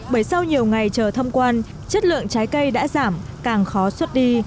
bởi sau nhiều ngày chờ thông quan chất lượng trái cây đã giảm càng khó xuất đi